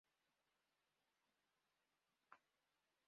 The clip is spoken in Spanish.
Producido bajo Teletica Formatos.